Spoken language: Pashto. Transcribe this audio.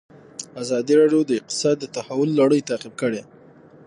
ازادي راډیو د اقتصاد د تحول لړۍ تعقیب کړې.